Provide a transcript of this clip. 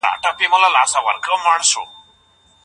د تهامه اوسيدونکو له ميرمنو سره څه کول؟